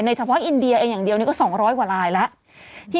เฉพาะอินเดียเองอย่างเดียวนี่ก็๒๐๐กว่าลายแล้ว